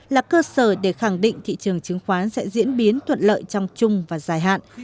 là cơ sở để khẳng định thị trường chứng khoán sẽ diễn biến thuận lợi trong chung và dài hạn